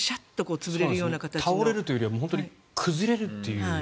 倒れるというよりは崩れるという。